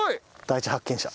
第一発見者。